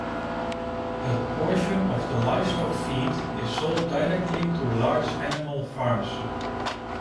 A portion of the livestock feed is sold directly to large animal farms.